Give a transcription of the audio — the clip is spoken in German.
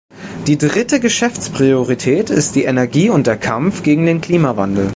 Die dritte Geschäftspriorität ist die Energie und der Kampf gegen den Klimawandel.